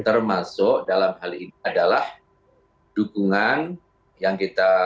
termasuk dalam hal ini adalah dukungan yang kita